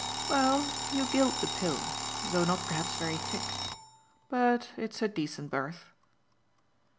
"Well, you gild the pill though not perhaps very thick. But it's a decent berth."